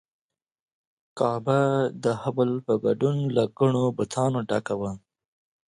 کعبه د هبل په ګډون له ګڼو بتانو ډکه وه.